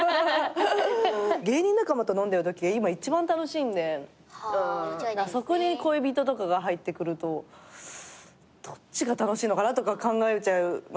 芸人仲間と飲んでるときが今一番楽しいんでそこに恋人とかが入ってくるとどっちが楽しいのかなとか考えちゃいますよね。